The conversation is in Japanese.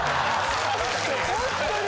ホントに！